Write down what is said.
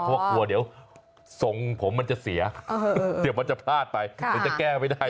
เพราะว่ากลัวเดี๋ยวทรงผมมันจะเสียเดี๋ยวมันจะพลาดไปมันจะแก้ไม่ได้